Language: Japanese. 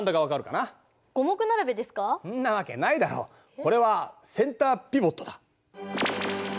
これはセンターピボットだ！